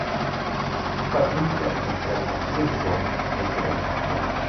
Bei Punktgleichheit galt ab dieser Saison der direkte Vergleich.